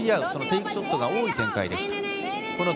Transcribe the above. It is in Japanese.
テイクショットが多い展開でした。